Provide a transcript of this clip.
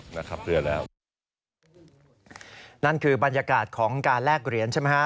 นั่นคือบรรยากาศของการแลกเหรียญใช่ไหมฮะ